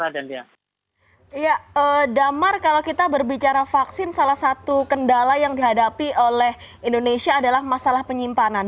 ya damar kalau kita berbicara vaksin salah satu kendala yang dihadapi oleh indonesia adalah masalah penyimpanan